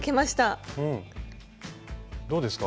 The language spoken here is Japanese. どうですか？